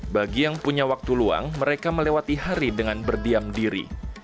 bagi yang punya waktu luang mereka melewati hari dengan berdiam diri